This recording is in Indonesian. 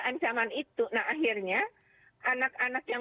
ancaman itu nah akhirnya anak anak yang